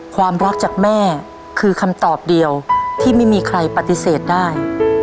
ความรักจากแม่คือคำตอบเดียวที่ไม่มีใครปฏิเสธได้